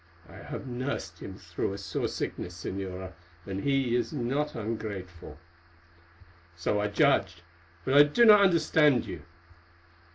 I have nursed him through a sore sickness, Señora, and he is not ungrateful." "So I judged; but I do not understand you."